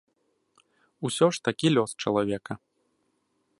Усё ж такі лёс чалавека.